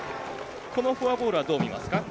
このフォアボールはどう見ますか？